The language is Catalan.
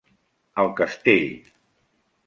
El castell: